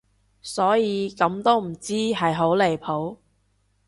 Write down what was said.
所以咁都唔知係好離譜